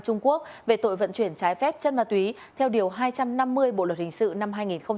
trung quốc về tội vận chuyển trái phép chất ma túy theo điều hai trăm năm mươi bộ luật hình sự năm hai nghìn một mươi năm